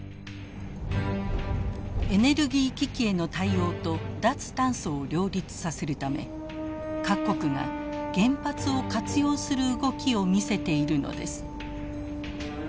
エネルギー危機への対応と脱炭素を両立させるため各国が原発を活用する動きを見せているのです。